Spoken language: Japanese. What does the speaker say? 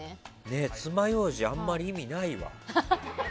つまようじがあまり意味ないわ。